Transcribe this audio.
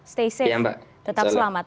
stay safe tetap selamat